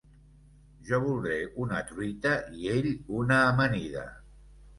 Jo voldré una truita i ell una amanida.